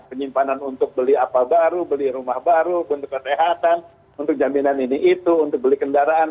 penyimpanan untuk beli apa baru beli rumah baru untuk kesehatan untuk jaminan ini itu untuk beli kendaraan